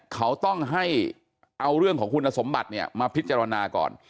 เขาต้องให้เอาเรื่องของคุณสมบัติเนี่ยมาพิจารณาก่อน